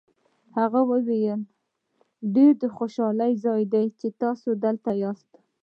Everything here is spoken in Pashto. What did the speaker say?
هغه وویل ډېر د خوښۍ ځای دی چې تاسي دلته یاست.